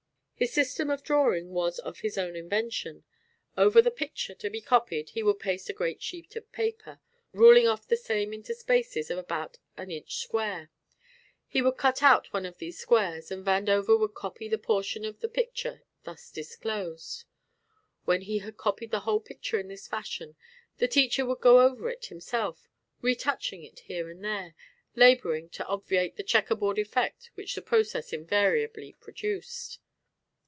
His system of drawing was of his own invention. Over the picture to be copied he would paste a great sheet of paper, ruling off the same into spaces of about an inch square. He would cut out one of these squares and Vandover would copy the portion of the picture thus disclosed. When he had copied the whole picture in this fashion the teacher would go over it himself, retouching it here and there, labouring to obviate the checker board effect which the process invariably produced.